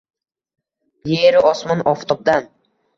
Yeru osmon, oftobdan